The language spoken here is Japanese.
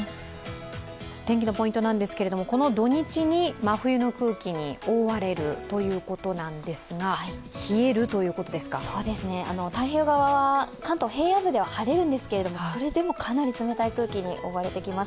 天気のポイントなんですけれども、この土日に真冬の空気に覆われるということですが、太平洋側は関東平野部では晴れるんですがそれでもかなり冷たい空気に覆われてきます。